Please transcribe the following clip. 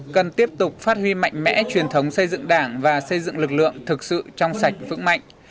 cần tiếp tục phát huy mạnh mẽ truyền thống xây dựng đảng và xây dựng lực lượng thực sự trong sạch vững mạnh